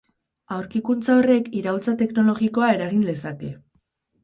Aurkikuntza horrek iraultza teknologikoa eragin lezake.